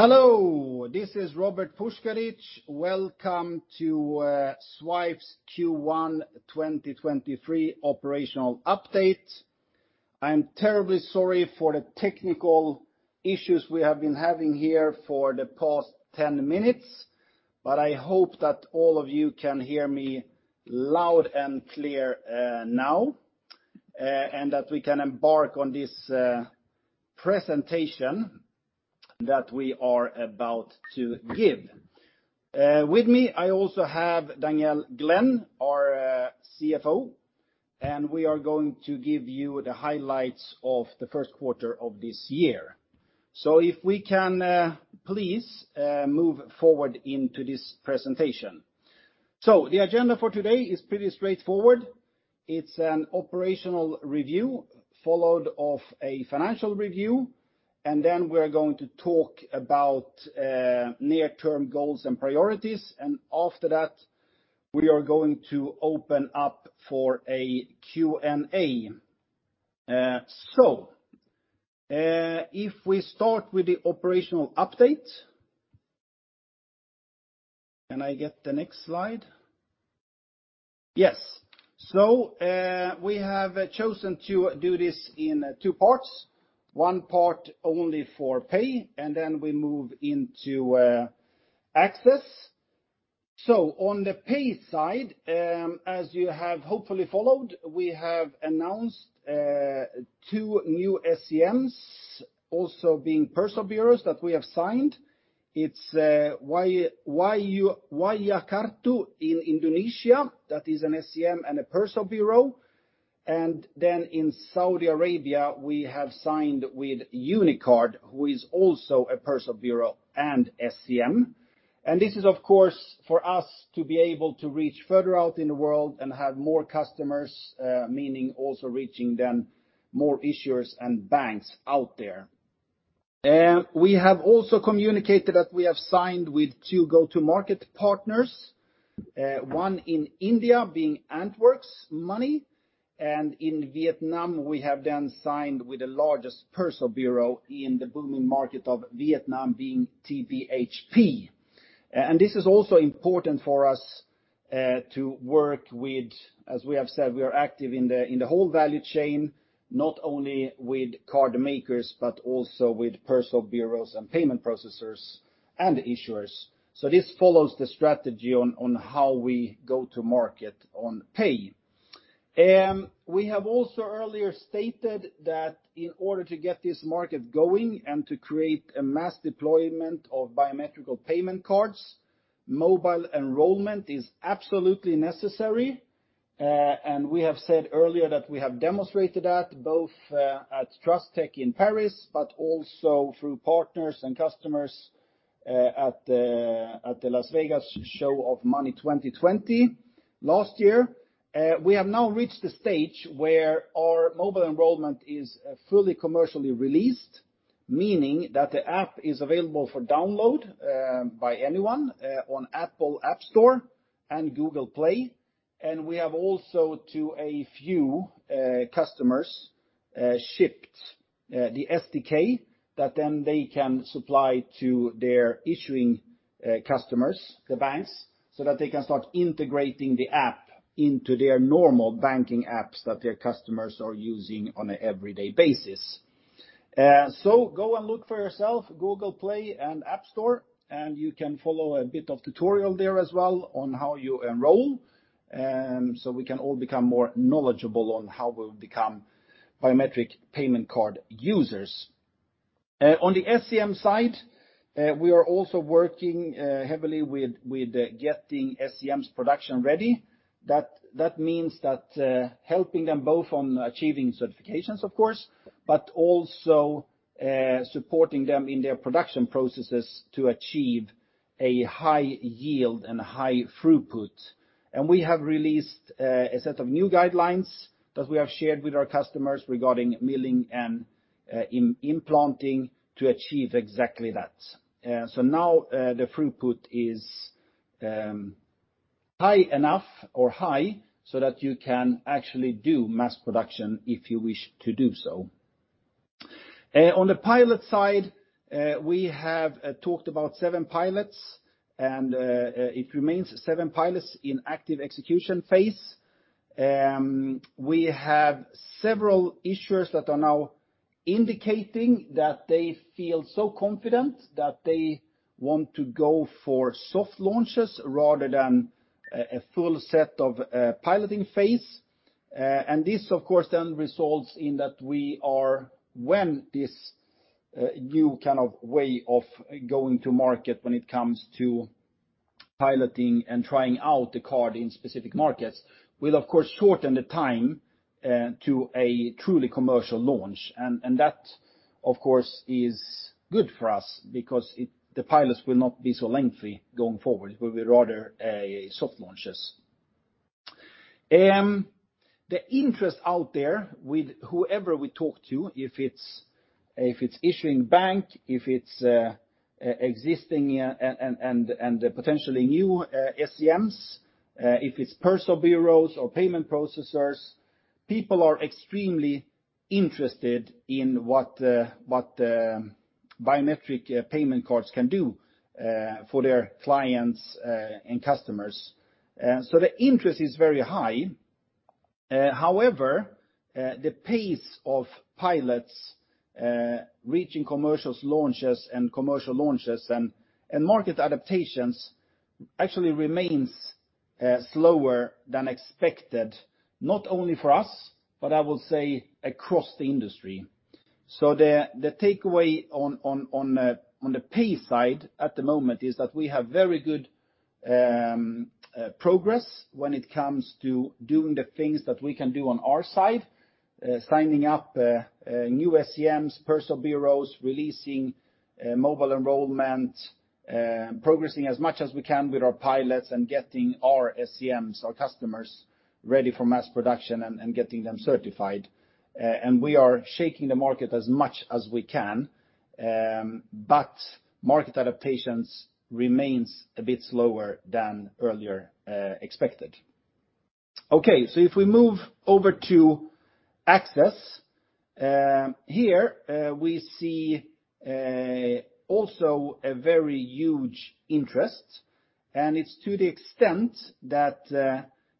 Hello, this is Robert Puskaric. Welcome to Zwipe's Q1 2023 operational update. I'm terribly sorry for the technical issues we have been having here for the past 10 minutes. I hope that all of you can hear me loud and clear now, and that we can embark on this presentation that we are about to give. With me, I also have Danielle Glenn, our CFO. We are going to give you the highlights of the first quarter of this year. If we can, please move forward into this presentation. The agenda for today is pretty straightforward. It's an operational review followed of a financial review. We're going to talk about near-term goals and priorities. After that, we are going to open up for a Q&A. If we start with the operational update. Can I get the next slide? Yes. We have chosen to do this in two parts. One part only for pay, and then we move into access. On the pay side, as you have hopefully followed, we have announced two new SCMs also being personalization bureaus that we have signed. Wahyukartu in Indonesia. That is an SCM and a personalization bureau. In Saudi Arabia, we have signed with Unicard, who is also a personalization bureau and SCM. This is, of course, for us to be able to reach further out in the world and have more customers, meaning also reaching then more issuers and banks out there. We have also communicated that we have signed with two go-to-market partners, one in India being Antworks Money, and in Vietnam, we have then signed with the largest personalization bureau in the booming market of Vietnam being TBHP. This is also important for us to work with, as we have said, we are active in the whole value chain, not only with card makers, but also with personalization bureaus and payment processors and issuers. This follows the strategy on how we go to market on pay. We have also earlier stated that in order to get this market going and to create a mass deployment of biometrical payment cards, mobile enrollment is absolutely necessary. We have said earlier that we have demonstrated that both, at TRUSTECH in Paris, but also through partners and customers, at the, at the Las Vegas show of Money20/20 last year. We have now reached the stage where our mobile enrollment is fully commercially released, meaning that the app is available for download by anyone on Apple App Store and Google Play. We have also to a few customers shipped the SDK that then they can supply to their issuing customers, the banks, so that they can start integrating the app into their normal banking apps that their customers are using on an everyday basis. Go and look for yourself, Google Play and App Store, and you can follow a bit of tutorial there as well on how you enroll. We can all become more knowledgeable on how we'll become biometric payment card users. On the SCM side, we are also working heavily with getting SCMs production ready. That means that helping them both on achieving certifications of course, but also supporting them in their production processes to achieve a high yield and high throughput. We have released a set of new guidelines that we have shared with our customers regarding milling and implanting to achieve exactly that. Now, the throughput is high enough or high so that you can actually do mass production if you wish to do so. On the pilot side, we have talked about seven pilots and it remains seven pilots in active execution phase. We have several issuers that are now indicating that they feel so confident that they want to go for soft launches rather than a full set of piloting phase. This of course then results in that when this new kind of way of going to market when it comes to piloting and trying out the card in specific markets will of course shorten the time to a truly commercial launch. That, of course, is good for us because the pilots will not be so lengthy going forward. It will be rather soft launches. The interest out there with whoever we talk to, if it's issuing bank, if it's existing and potentially new SCMs, if it's personalization bureaus or payment processors. People are extremely interested in what biometric payment cards can do for their clients and customers. The interest is very high. However, the pace of pilots reaching commercial launches and market adaptations actually remains slower than expected, not only for us, but I will say across the industry. The takeaway on the Pay side at the moment is that we have very good progress when it comes to doing the things that we can do on our side, signing up new SCMs, personalization bureaus, releasing mobile enrollment, progressing as much as we can with our pilots and getting our SCMs, our customers ready for mass production and getting them certified. We are shaking the market as much as we can, but market adaptations remains a bit slower than earlier expected. If we move over to Access, here we see also a very huge interest, and it's to the extent that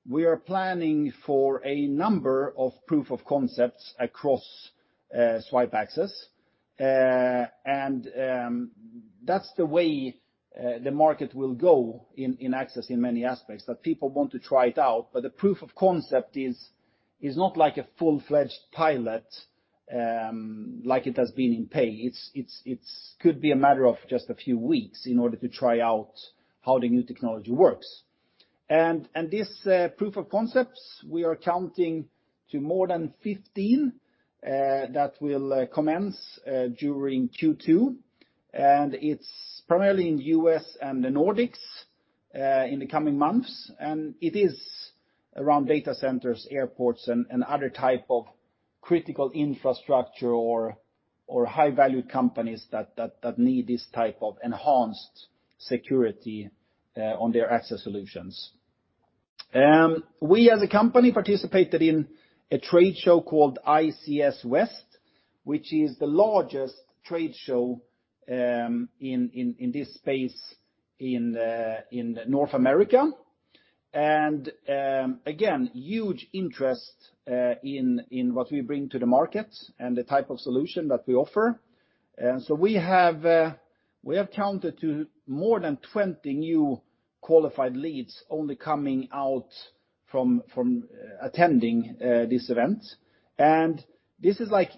we are planning for a number of Proof of Concepts across Zwipe Access. That's the way the market will go in access in many aspects, that people want to try it out. The Proof of Concept is not like a full-fledged pilot, like it has been in pay. It's could be a matter of just a few weeks in order to try out how the new technology works. This Proof of Concepts, we are counting to more than 15 that will commence during Q2, and it's primarily in the U.S. and the Nordics in the coming months. It is around data centers, airports, and other type of critical infrastructure or high-value companies that need this type of enhanced security on their access solutions. We as a company participated in a trade show called ISC West, which is the largest trade show in this space in North America. Again, huge interest in what we bring to the market and the type of solution that we offer. We have counted to more than 20 new qualified leads only coming out from attending this event. This is like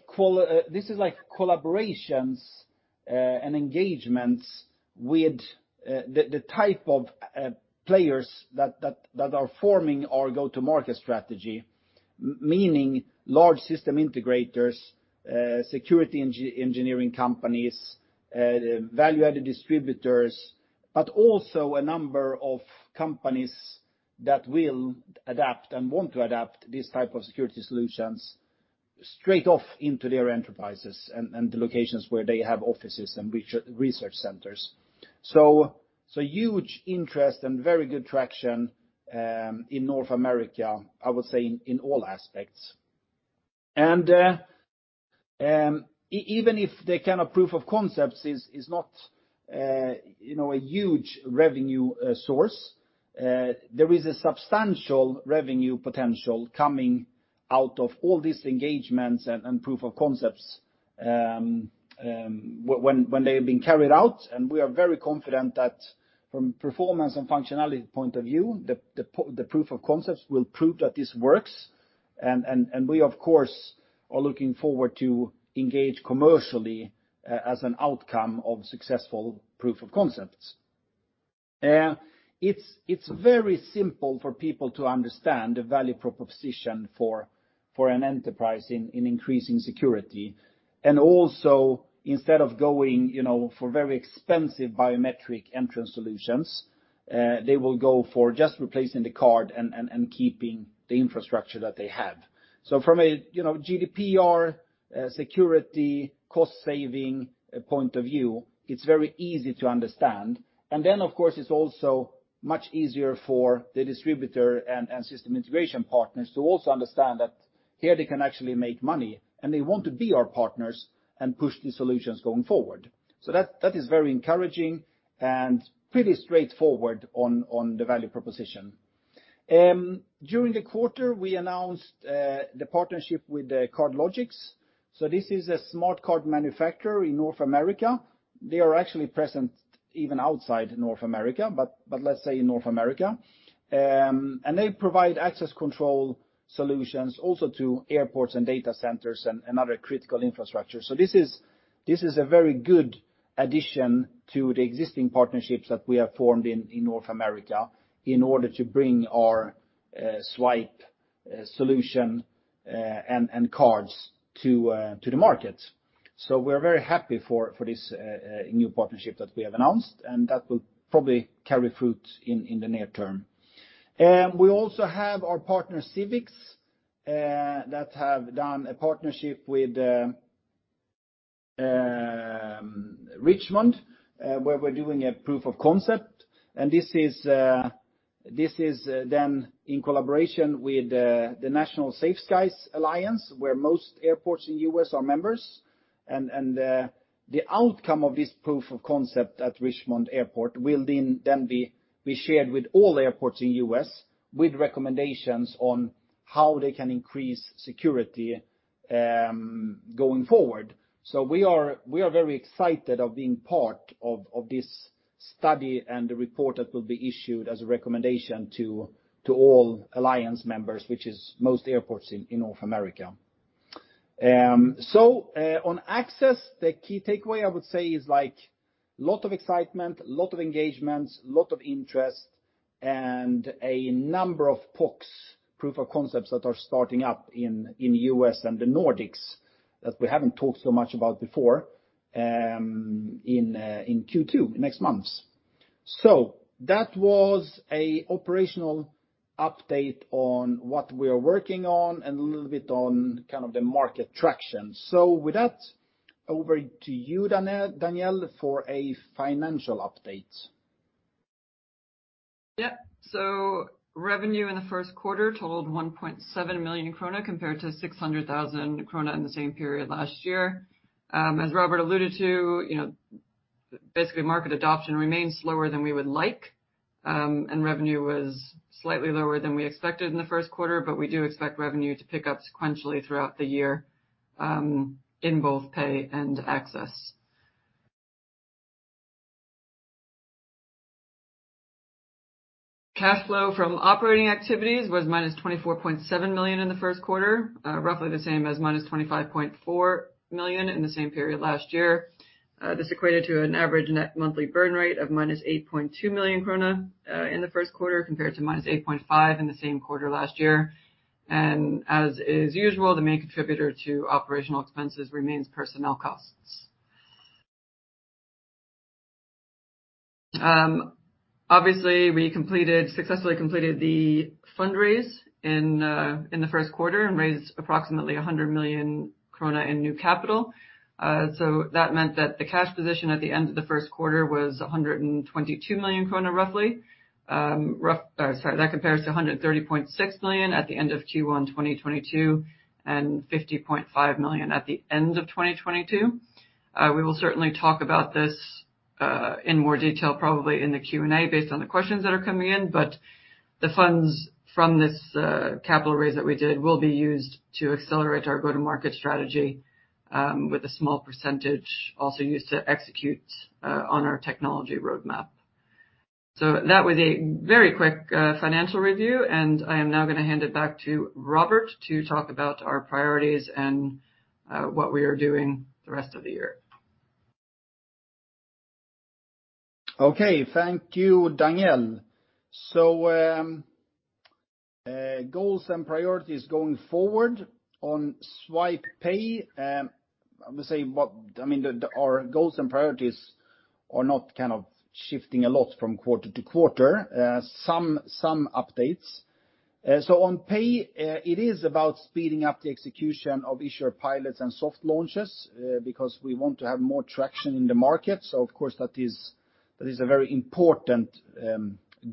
collaborations and engagements with the type of players that are forming our go-to-market strategy, meaning large system integrators, security engineering companies, value-added distributors, but also a number of companies that will adapt and want to adapt these type of security solutions straight off into their enterprises and the locations where they have offices and research centers. Huge interest and very good traction in North America, I would say in all aspects. Even if the kind of Proof of Concepts is not, you know, a huge revenue source, there is a substantial revenue potential coming out of all these engagements and Proof of Concepts when they have been carried out. We are very confident that from performance and functionality point of view, the Proof of Concepts will prove that this works. We, of course, are looking forward to engage commercially as an outcome of successful Proof of Concepts. It's very simple for people to understand the value proposition for an enterprise in increasing security. Instead of going, you know, for very expensive biometric entrance solutions, they will go for just replacing the card and, and keeping the infrastructure that they have. From a, you know, GDPR, security, cost saving point of view, it's very easy to understand. Of course, it's also much easier for the distributor and system integration partners to also understand that here they can actually make money and they want to be our partners and push the solutions going forward. That, that is very encouraging and pretty straightforward on the value proposition. During the quarter, we announced the partnership with CardLogix. This is a smart card manufacturer in North America. They are actually present even outside North America, but let's say in North America. They provide access control solutions also to airports and data centers and other critical infrastructure. This is, this is a very good addition to the existing partnerships that we have formed in North America in order to bring our Zwipe solution and cards to the market. We're very happy for this new partnership that we have announced, and that will probably carry fruit in the near term. We also have our partner, Civix, that have done a partnership with Richmond, where we're doing a Proof of Concept, and this is, this is then in collaboration with the National Safe Skies Alliance, where most airports in the U.S. are members. The outcome of this Proof of Concept at Richmond Airport will then be shared with all airports in U.S. with recommendations on how they can increase security going forward. We are very excited of being part of this study and the report that will be issued as a recommendation to all alliance members, which is most airports in North America. On access, the key takeaway I would say is like lot of excitement, lot of engagements, lot of interest, and a number of PoCs, Proof of Concepts, that are starting up in U.S. and the Nordics that we haven't talked so much about before in Q2, next month. That was a operational update on what we are working on and a little bit on kind of the market traction. With that, over to you, Danielle, for a financial update. Revenue in the first quarter totaled 1.7 million krone compared to 600,000 krone in the same period last year. As Robert alluded to, you know, basically, market adoption remains slower than we would like, and revenue was slightly lower than we expected in the first quarter, but we do expect revenue to pick up sequentially throughout the year in both Pay and Access. Cash flow from operating activities was -24.7 million in the first quarter, roughly the same as -25.4 million in the same period last year. This equated to an average net monthly burn rate of -8.2 million krone in the first quarter compared to -8.5 million in the same quarter last year. As is usual, the main contributor to operational expenses remains personnel costs. Obviously, we successfully completed the fundraise in the first quarter and raised approximately 100 million krone in new capital. So that meant that the cash position at the end of the first quarter was 122 million krone, roughly. That compares to 130.6 million at the end of Q1 2022, and 50.5 million at the end of 2022. We will certainly talk about this in more detail probably in the Q&A based on the questions that are coming in, but the funds from this capital raise that we did will be used to accelerate our go-to-market strategy, with a small percentage also used to execute on our technology roadmap. That was a very quick financial review, and I am now gonna hand it back to Robert to talk about our priorities and what we are doing the rest of the year. Okay, thank you, Danielle. Goals and priorities going forward on Zwipe Pay, I would say our goals and priorities are not kind of shifting a lot from quarter to quarter, some updates. On Pay, it is about speeding up the execution of issuer pilots and soft launches, because we want to have more traction in the market. Of course that is a very important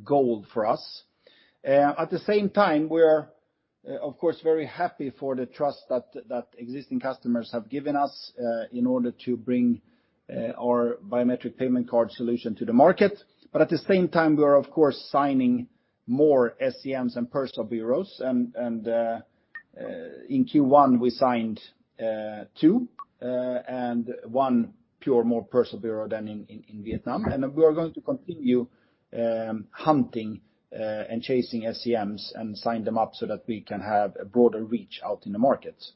goal for us. At the same time, we're, of course, very happy for the trust that existing customers have given us, in order to bring our biometric payment card solution to the market. At the same time, we are of course signing more SCMs and personalization bureaus. In Q1, we signed two and one pure more personalization bureau than in Vietnam. We are going to continue hunting and chasing SCMs and sign them up so that we can have a broader reach out in the markets.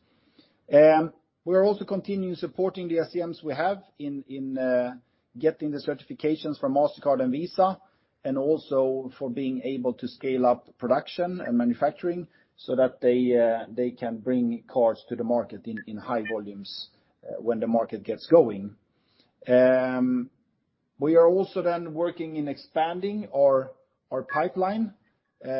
We are also continuing supporting the SCMs we have getting the certifications from Mastercard and Visa and also for being able to scale up production and manufacturing so that they can bring cards to the market in high volumes when the market gets going. We are also then working in expanding our pipeline. We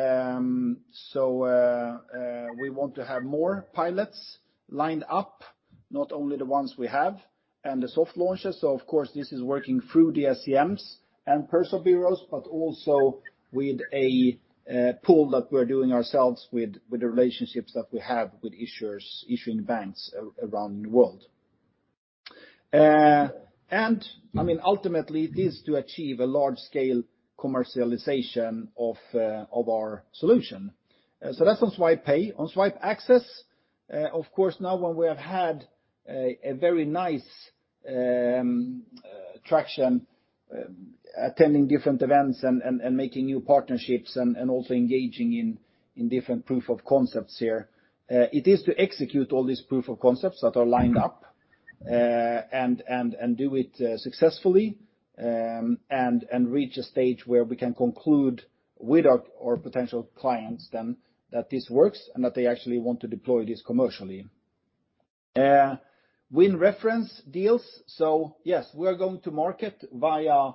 want to have more pilots lined up, not only the ones we have and the soft launches. Of course, this is working through the SCMs and personalization bureaus, but also with a pool that we're doing ourselves with the relationships that we have with issuers, issuing banks around the world. I mean, ultimately it is to achieve a large scale commercialization of our solution. That's on Zwipe Pay. On Zwipe Access, of course, now when we have had a very nice traction, attending different events and making new partnerships and also engaging in different proof of concepts here, it is to execute all these proof of concepts that are lined up, and do it successfully, and reach a stage where we can conclude with our potential clients then that this works and that they actually want to deploy this commercially. Win reference deals. Yes, we are going to market via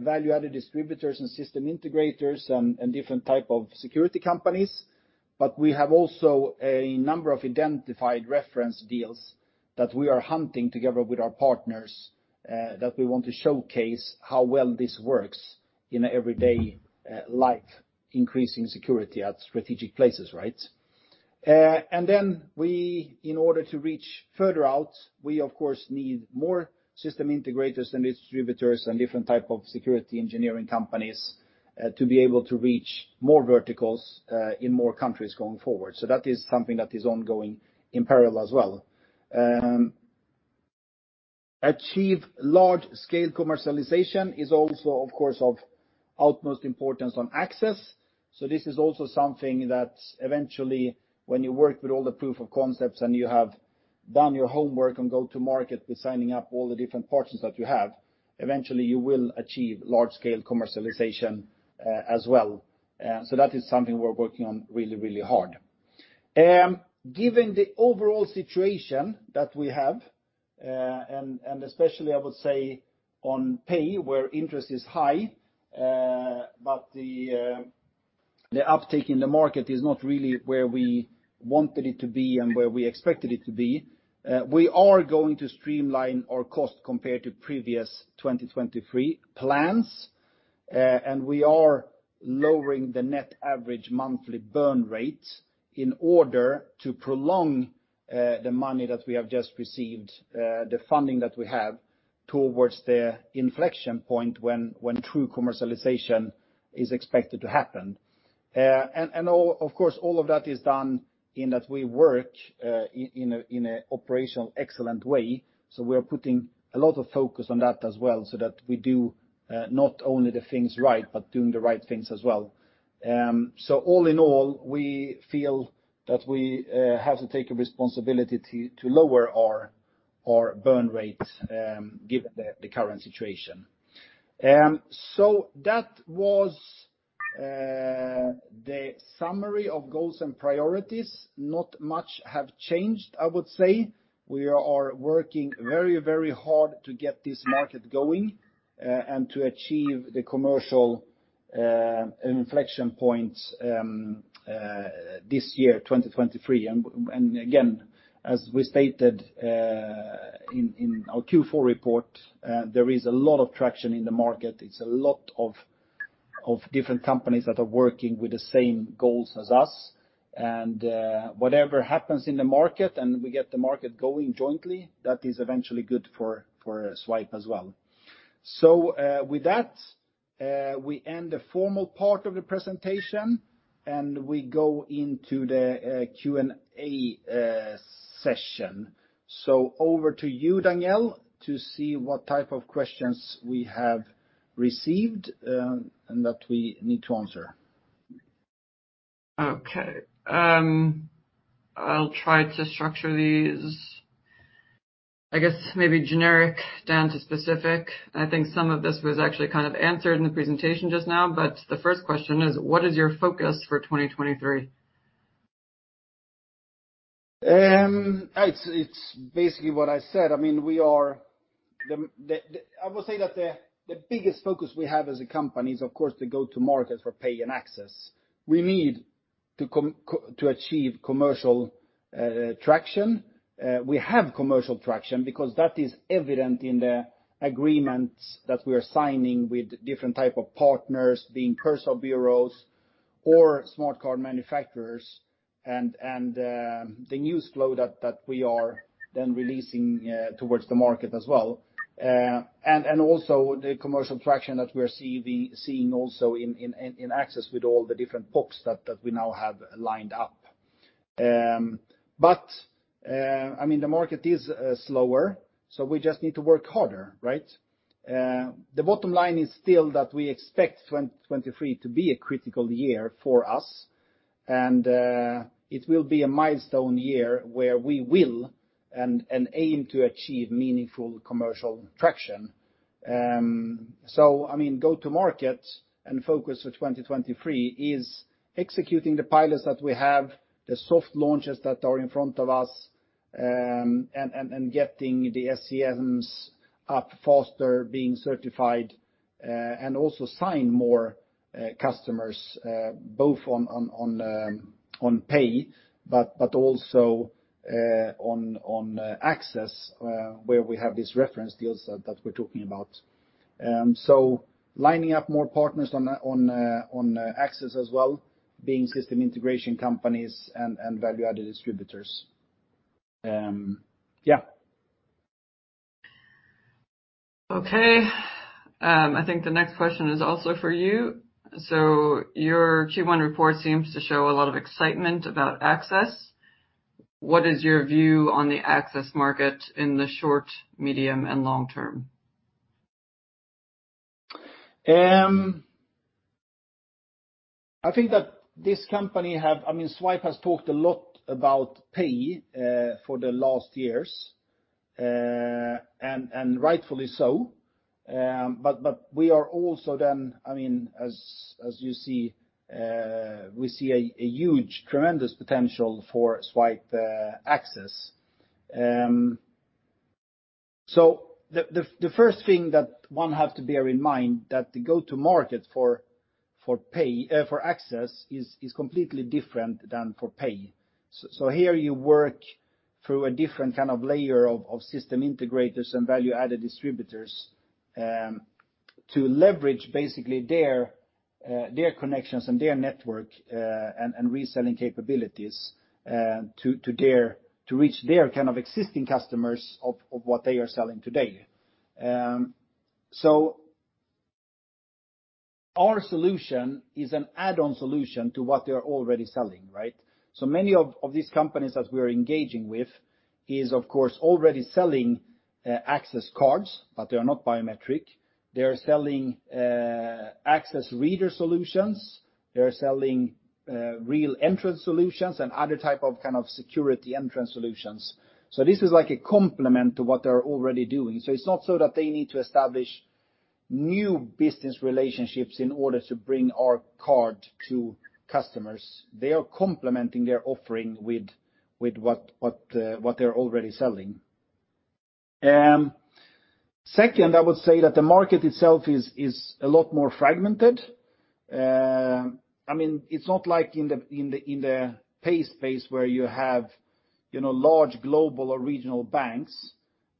value-added distributors and system integrators and different type of security companies. We have also a number of identified reference deals that we are hunting together with our partners, that we want to showcase how well this works in everyday life, increasing security at strategic places, right? We, in order to reach further out, we of course need more system integrators and distributors and different type of security engineering companies, to be able to reach more verticals, in more countries going forward. That is something that is ongoing in parallel as well. Achieve large-scale commercialization is also, of course, of utmost importance on Zwipe Access. This is also something that eventually, when you work with all the proof of concepts and you have done your homework and go to market with signing up all the different partners that you have, eventually you will achieve large-scale commercialization as well. That is something we're working on really, really hard. Given the overall situation that we have, and especially I would say on pay where interest is high, but the uptake in the market is not really where we wanted it to be and where we expected it to be, we are going to streamline our cost compared to previous 2023 plans. We are lowering the net average monthly burn rate in order to prolong the money that we have just received, the funding that we have towards the inflection point when true commercialization is expected to happen. And all, of course, all of that is done in that we work in a operational excellent way. We are putting a lot of focus on that as well, so that we do not only the things right, but doing the right things as well. All in all, we feel that we have to take a responsibility to lower our burn rate, given the current situation. That was the summary of goals and priorities. Not much have changed, I would say. We are working very, very hard to get this market going, and to achieve the commercial inflection points this year, 2023. Again, as we stated, in our Q4 report, there is a lot of traction in the market. It's a lot of different companies that are working with the same goals as us. Whatever happens in the market, and we get the market going jointly, that is eventually good for Zwipe as well. With that, we end the formal part of the presentation, and we go into the Q&A session. Over to you, Danielle, to see what type of questions we have received, and that we need to answer. Okay. I'll try to structure these, I guess, maybe generic down to specific. I think some of this was actually kind of answered in the presentation just now. The first question is, what is your focus for 2023? It's, it's basically what I said. I mean, we are the biggest focus we have as a company is, of course, to go to market for pay and access. We need to achieve commercial traction. We have commercial traction because that is evident in the agreements that we are signing with different type of partners, the personalization bureaus or smart card manufacturers, and the news flow that we are then releasing towards the market as well. Also the commercial traction that we're seeing also in access with all the different PoCs that we now have lined up. I mean, the market is slower, so we just need to work harder, right? The bottom line is still that we expect 2023 to be a critical year for us. It will be a milestone year where we will and aim to achieve meaningful commercial traction. I mean, go to market and focus for 2023 is executing the pilots that we have, the soft launches that are in front of us, and getting the SEMs up faster, being certified, and also sign more customers, both on on pay, but also on access, where we have these reference deals that we're talking about. Lining up more partners on access as well, being system integration companies and value-added distributors. Okay. I think the next question is also for you. Your Q1 report seems to show a lot of excitement about access. What is your view on the access market in the short, medium, and long term? I think that this company, I mean, Zwipe has talked a lot about Pay for the last years, and rightfully so. We are also then, I mean, as you see, we see a huge, tremendous potential for Zwipe Access. The first thing that one has to bear in mind that the go-to-market for Pay for Access is completely different than for Pay. Here you work through a different kind of layer of system integrators and value-added distributors to leverage basically their connections and their network and reselling capabilities to reach their kind of existing customers of what they are selling today. Our solution is an add-on solution to what they are already selling, right? Many of these companies that we are engaging with is, of course, already selling access cards, but they are not biometric. They are selling access reader solutions. They are selling real entrance solutions and other type of kind of security entrance solutions. This is like a complement to what they're already doing. It's not so that they need to establish new business relationships in order to bring our card to customers. They are complementing their offering with what they're already selling. Second, I would say that the market itself is a lot more fragmented. I mean, it's not like in the pay space where you have, you know, large global or regional banks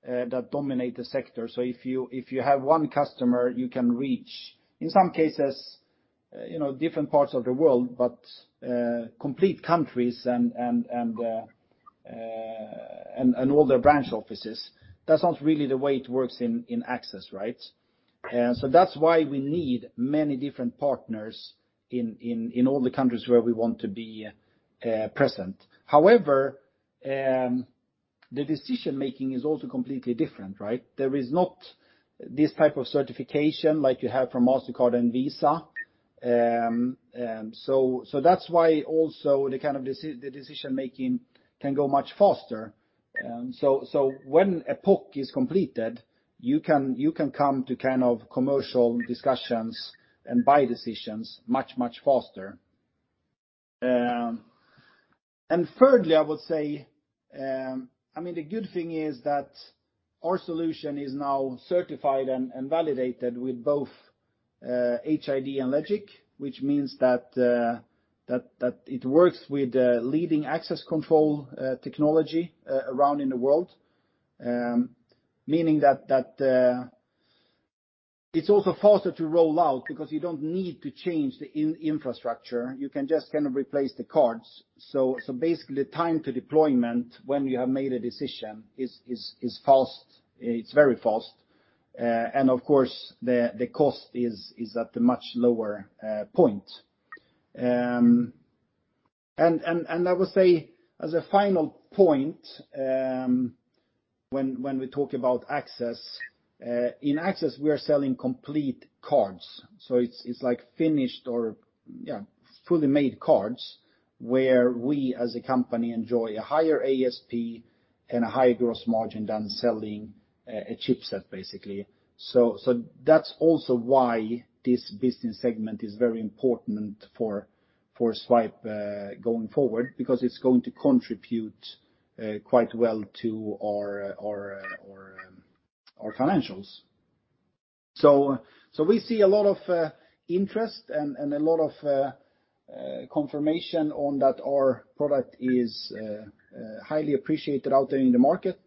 that dominate the sector. If you have one customer, you can reach, in some cases, you know, different parts of the world, but complete countries and all their branch offices. That's not really the way it works in access, right? That's why we need many different partners in all the countries where we want to be present. However, the decision-making is also completely different, right? There is not this type of certification like you have from Mastercard and Visa. That's why also the kind of the decision-making can go much faster. When a POC is completed, you can come to kind of commercial discussions and buy decisions much faster. Thirdly, I mean, the good thing is that our solution is now certified and validated with both HID and Legic, which means that it works with the leading access control technology around in the world. Meaning that it's also faster to roll out because you don't need to change the in-infrastructure. You can just kind of replace the cards. Basically, time to deployment when you have made a decision is fast. It's very fast. Of course, the cost is at a much lower point. I would say as a final point, when we talk about access, in access, we are selling complete cards. It's like finished or, yeah, fully made cards where we, as a company, enjoy a higher ASP and a higher gross margin than selling a chipset, basically. That's also why this business segment is very important for Zwipe going forward, because it's going to contribute quite well to our financials. We see a lot of interest and a lot of confirmation on that our product is highly appreciated out there in the market.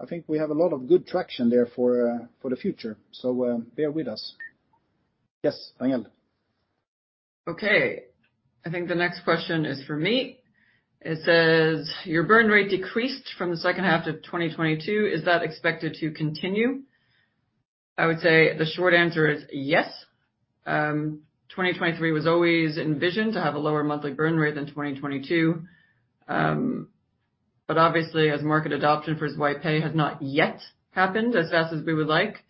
I think we have a lot of good traction there for the future. Bear with us. Yes, Danielle. Okay. I think the next question is for me. It says: Your burn rate decreased from the second half to 2022. Is that expected to continue? I would say the short answer is yes. 2023 was always envisioned to have a lower monthly burn rate than 2022. Obviously, as market adoption for Zwipe Pay has not yet happened as fast as we would like,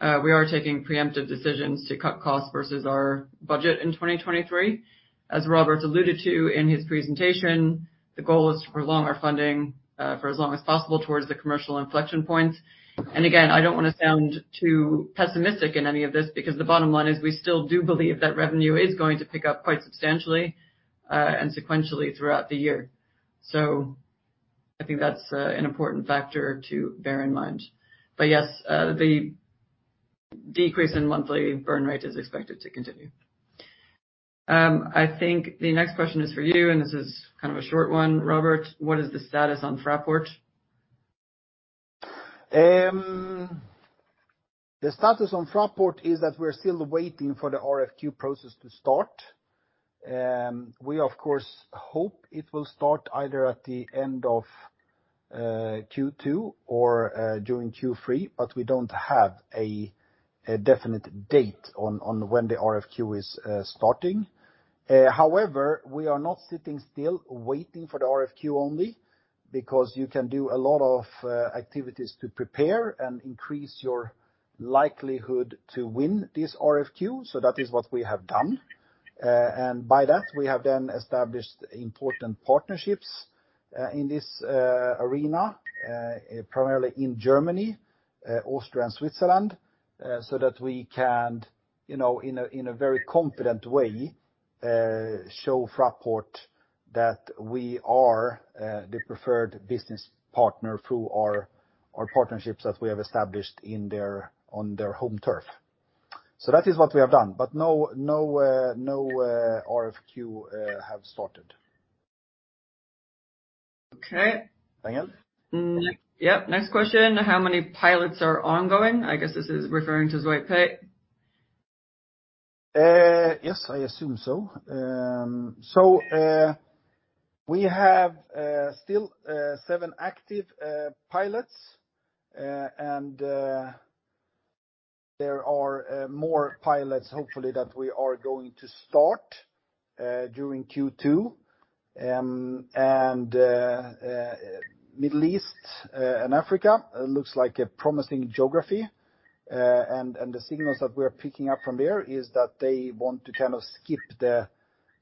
we are taking preemptive decisions to cut costs versus our budget in 2023. As Robert alluded to in his presentation, the goal is to prolong our funding for as long as possible towards the commercial inflection points. Again, I don't wanna sound too pessimistic in any of this because the bottom line is we still do believe that revenue is going to pick up quite substantially and sequentially throughout the year. I think that's an important factor to bear in mind. Yes, the decrease in monthly burn rate is expected to continue. I think the next question is for you, and this is kind of a short one, Robert. What is the status on Fraport? The status on Fraport is that we're still waiting for the RFQ process to start. We of course, hope it will start either at the end of Q2 or during Q3, but we don't have a definite date on when the RFQ is starting. However, we are not sitting still waiting for the RFQ only because you can do a lot of activities to prepare and increase your likelihood to win this RFQ. That is what we have done. And by that, we have then established important partnerships in this arena, primarily in Germany, Austria and Switzerland, so that we can, you know, in a very confident way, show Fraport that we are the preferred business partner through our partnerships that we have established on their home turf. That is what we have done. No RFQ have started. Okay. Danielle? yep. Next question. How many pilots are ongoing? I guess this is referring to Zwipe Pay. Yes, I assume so. We have still seven active pilots. There are more pilots, hopefully, that we are going to start during Q2. Middle East and Africa looks like a promising geography. The signals that we are picking up from there is that they want to kind of skip the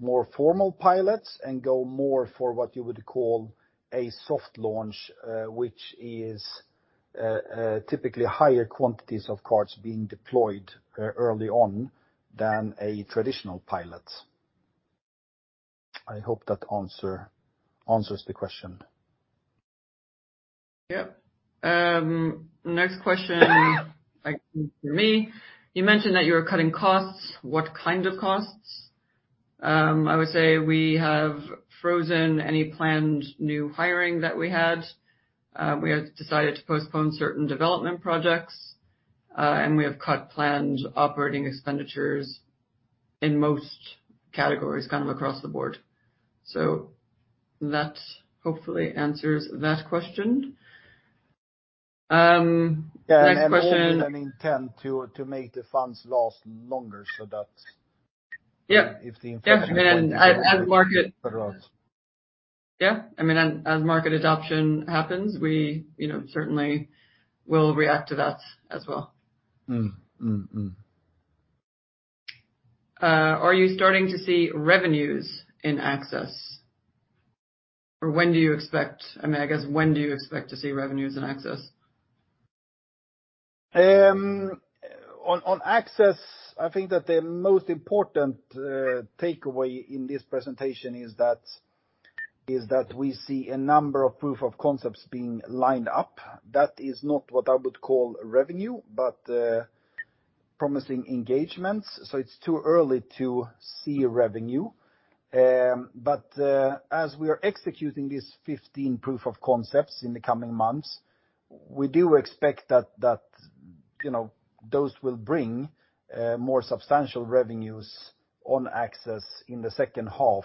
more formal pilots and go more for what you would call a soft launch, which is typically higher quantities of cards being deployed early on than a traditional pilot. I hope that answer answers the question. Yep. Next question for me. You mentioned that you were cutting costs. What kind of costs? I would say we have frozen any planned new hiring that we had. We have decided to postpone certain development projects, and we have cut planned operating expenditures in most categories kind of across the board. That hopefully answers that question. Next question. also an intent to make the funds last longer. Yeah. If the inflation continues. And as market. For us. Yeah, I mean, as market adoption happens, we, you know, certainly will react to that as well. Are you starting to see revenues in access? When do you expect, I mean, I guess, when do you expect to see revenues in access? On access, I think that the most important takeaway in this presentation is that we see a number of Proof of Concepts being lined up. That is not what I would call revenue, but promising engagements. It's too early to see revenue. As we are executing these 15 Proof of Concepts in the coming months, we do expect that, you know, those will bring more substantial revenues on access in the second half,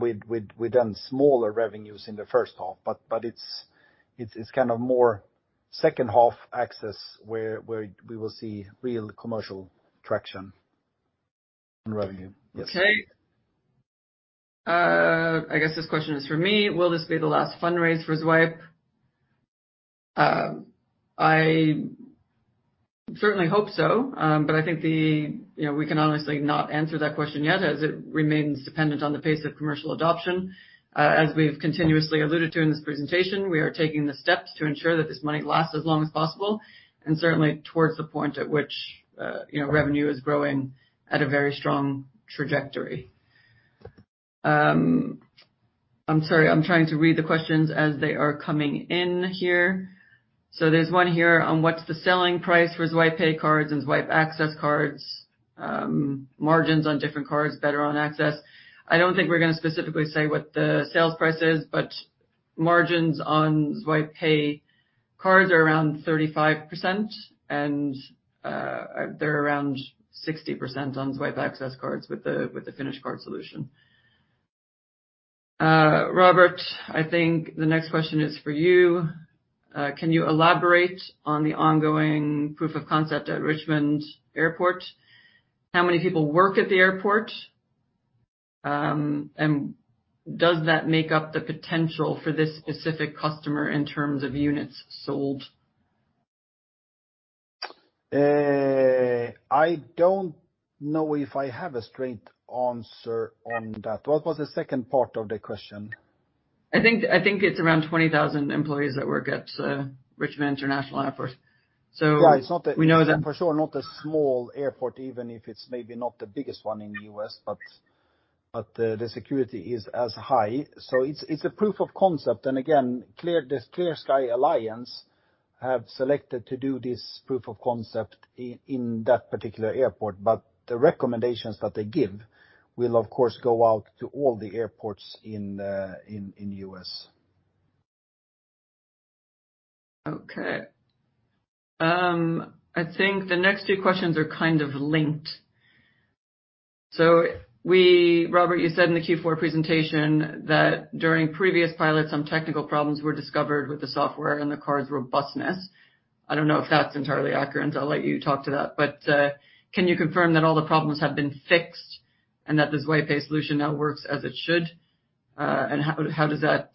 with then smaller revenues in the first half. It's kind of more second half access where we will see real commercial traction on revenue. Yes. Okay. I guess this question is for me. Will this be the last fundraise for Zwipe? I certainly hope so, you know, we can honestly not answer that question yet, as it remains dependent on the pace of commercial adoption. As we've continuously alluded to in this presentation, we are taking the steps to ensure that this money lasts as long as possible, and certainly towards the point at which, you know, revenue is growing at a very strong trajectory. I'm sorry, I'm trying to read the questions as they are coming in here. There's one here on what's the selling price for Zwipe Pay cards and Zwipe Access cards, margins on different cards, better on access. I don't think we're gonna specifically say what the sales price is. Margins on Zwipe Pay cards are around 35%, they're around 60% on Zwipe Access cards with the finish card solution. Robert, I think the next question is for you. Can you elaborate on the ongoing Proof of Concept at Richmond Airport? How many people work at the airport? Does that make up the potential for this specific customer in terms of units sold? I don't know if I have a straight answer on that. What was the second part of the question? I think it's around 20,000 employees that work at Richmond International Airport. Right. We know. For sure, not a small airport, even if it's maybe not the biggest one in the U.S., but the security is as high. It's a Proof of Concept. Again, this National Safe Skies Alliance, Inc. have selected to do this Proof of Concept in that particular airport, but the recommendations that they give will of course go out to all the airports in the U.S. Okay. I think the next two questions are kind of linked. Robert, you said in the Q4 presentation that during previous pilots, some technical problems were discovered with the software and the card's robustness. I don't know if that's entirely accurate, and I'll let you talk to that. Can you confirm that all the problems have been fixed and that the Zwipe Pay solution now works as it should? How does that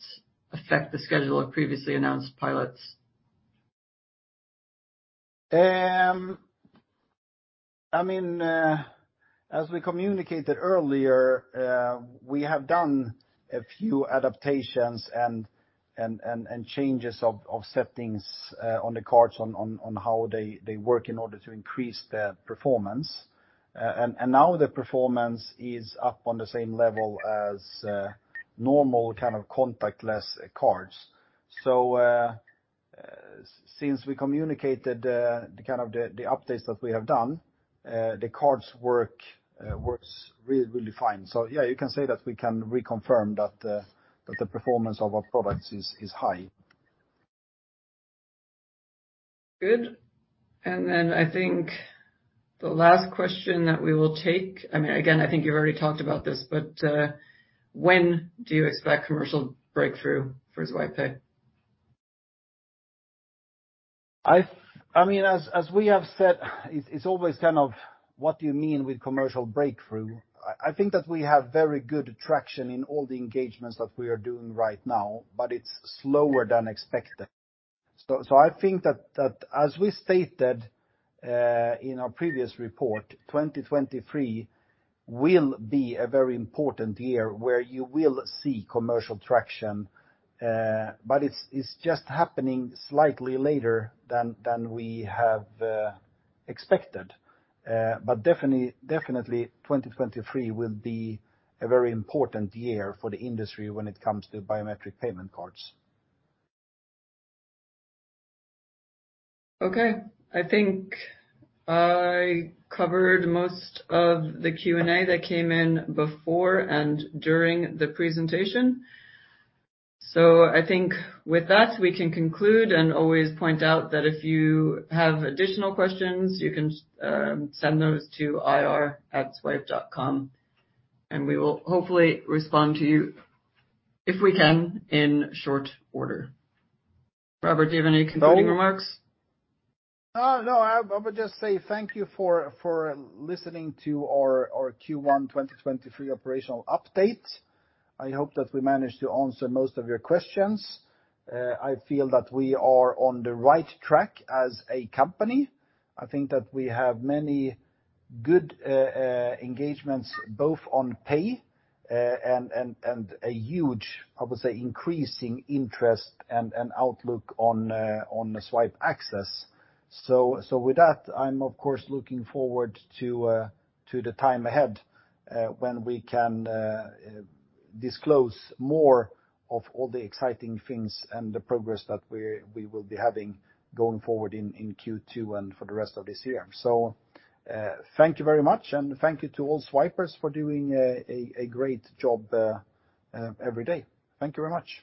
affect the schedule of previously announced pilots? I mean, as we communicated earlier, we have done a few adaptations and changes of settings on the cards on how they work in order to increase the performance. Now the performance is up on the same level as normal kind of contactless cards. Since we communicated the kind of the updates that we have done, the cards works really fine. Yeah, you can say that we can reconfirm that the performance of our products is high. Good. I think the last question that we will take, I mean, again, I think you've already talked about this, but when do you expect commercial breakthrough for Zwipe Pay? I mean, as we have said, it's always kind of what do you mean with commercial breakthrough? I think that we have very good traction in all the engagements that we are doing right now, it's slower than expected. I think that as we stated in our previous report, 2023 will be a very important year where you will see commercial traction. It's just happening slightly later than we have expected. Definitely 2023 will be a very important year for the industry when it comes to biometric payment cards. I think I covered most of the Q&A that came in before and during the presentation. I think with that, we can conclude and always point out that if you have additional questions, you can send those to ir@zwipe.com, and we will hopefully respond to you if we can in short order. Robert, do you have any concluding remarks? No. I would just say thank you for listening to our Q1 2023 operational update. I hope that we managed to answer most of your questions. I feel that we are on the right track as a company. I think that we have many good engagements both on pay and a huge, I would say, increasing interest and outlook on the Zwipe Access. With that, I'm of course looking forward to the time ahead when we can disclose more of all the exciting things and the progress that we will be having going forward in Q2 and for the rest of this year. Thank you very much, and thank you to all Zwipers for doing a great job every day. Thank you very much.